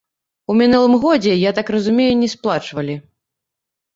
У мінулым годзе, я так разумею, не сплачвалі.